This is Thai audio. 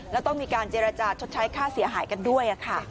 แล้วต้องมีการเจรจาชดใช้ค่าเสียหายกันด้วยค่ะ